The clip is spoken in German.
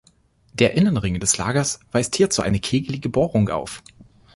Der Innenring des Lagers weist hierzu eine kegelige Bohrung auf.